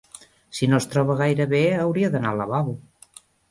Si no es troba gaire bé hauria d'anar al lavabo.